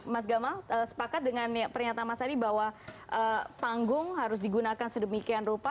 mas gamal sepakat dengan pernyataan mas adi bahwa panggung harus digunakan sedemikian rupa